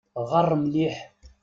Ɣeṛ mliḥ.